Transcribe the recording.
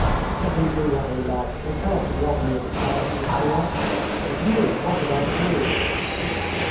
"Let them do what they like. They cannot rob me of the past, Lucia. But you what about you?"